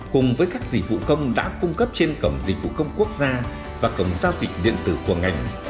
cùng với các dịch vụ công đã cung cấp trên cổng dịch vụ công quốc gia và cổng giao dịch điện tử của ngành